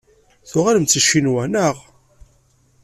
Tuɣalem-d seg Ccinwa, naɣ?